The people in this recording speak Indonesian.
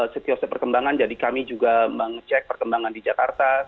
setiap perkembangan jadi kami juga mengecek perkembangan di jakarta